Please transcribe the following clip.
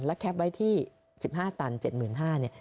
แล้วแคปไว้ที่๑๕ตัน๗๕๐๐บาทเนี่ย